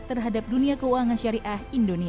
terhadap pengembangan ekonomi syariah indonesia